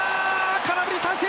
空振り三振！